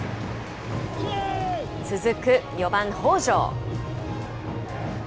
続く４番北條。